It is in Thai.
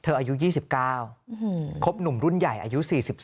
อายุ๒๙ครบหนุ่มรุ่นใหญ่อายุ๔๒